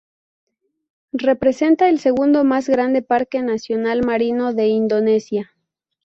Representa el segundo más grande parque nacional marino de Indonesia.